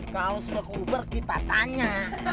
mau sudah kagak uber kita tanya